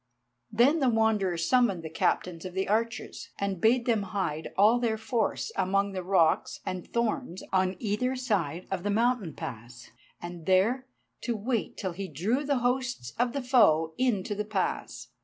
Then the Wanderer summoned the Captains of the archers, and bade them hide all their force among the rocks and thorns on either side of the mountain pass, and there to wait till he drew the hosts of the foe into the pass.